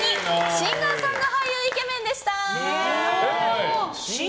シンガーソング俳優イケメンでした！